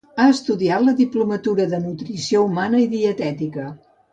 Ha estudiat la diplomatura de Nutrició Humana i Dietètica.